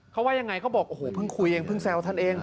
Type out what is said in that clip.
เขาว่ายังไงพึ่งคุยเพิ่งแซวท่านเอง